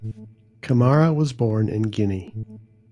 Camara was born in Guinea.